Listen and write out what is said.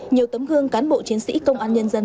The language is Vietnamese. nhiều tấm gương cán bộ chiến sĩ công an nhân dân